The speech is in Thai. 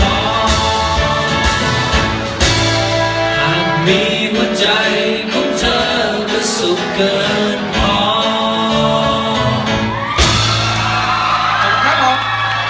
หากมีหัวใจของเธอประสุทธิ์เกินพอ